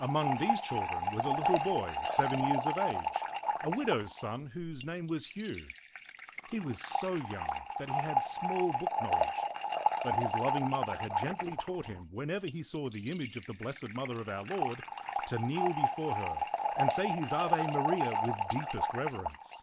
Among these children was a little boy seven years of age, a widow's son, whose name was Hugh. He was so young that he had small book knowledge, but his loving mother had gently taught him whenever he saw the image of the Blessed Mother of Our Lord to kneel before her and say his Ave Maria with deepest reverence.